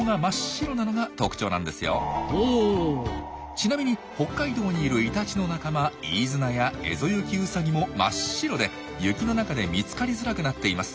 ちなみに北海道にいるイタチの仲間イイズナやエゾユキウサギも真っ白で雪の中で見つかりづらくなっています。